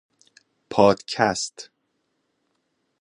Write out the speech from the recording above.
پادکست